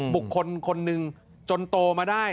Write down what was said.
บุคคลคนหนึ่งจนโตมาได้